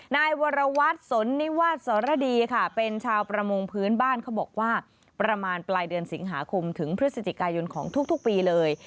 นายวรวัตรสนนิวาสสรดีค่ะเป็นชาวประมงพื้นบ้านเขาบอกว่าประมาณปลายเดือนสิงหาคมถึงพฤศจิกายนของทุกปีเลย